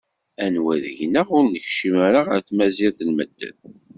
Anwa deg-neɣ ur nekcim ara ɣer tmazirt n medden?